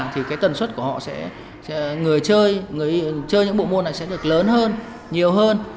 thì cái tần suất của họ sẽ người chơi những bộ môn này sẽ được lớn hơn nhiều hơn